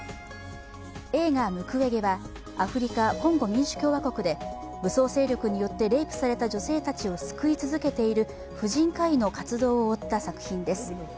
映画「ムクウェゲ」はアフリカ・コンゴ民主共和国で武装勢力によってレイプされた女性たちを救い続けている婦人科医の活動を追った作品です。